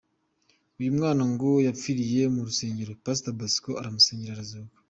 Uyu mwana ngo yapfiriye mu rusengero, Pastor Bosco aramusengera arazuka.